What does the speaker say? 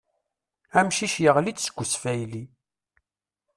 Amcic yaɣli-d seg usfayly.